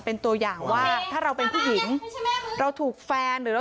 เดี๋ยวไปดูคลิปเหตุการณ์กันก่อนค่ะ